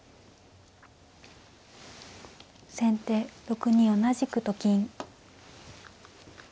先手６二同じくと金。